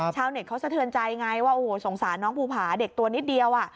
ชาวเน็ตเขาสะเทือนใจไงว่าโอ้โหสงสารน้องภูผาเด็กตัวนิดเดียว